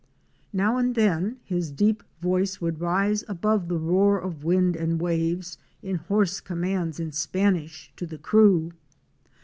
Now and then his deep voice would rise above the roar of wind and waves in hoarse commands in Spanish to the crew.